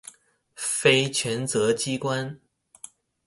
非權責機關